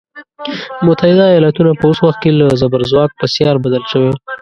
متحده ایالتونه په اوس وخت کې له زبرځواک په سیال بدل شوی.